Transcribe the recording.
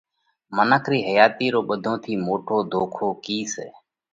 منک رِي حياتِي رو ٻڌون ٿِي موٽو ڌوکو ڪِي سئہ؟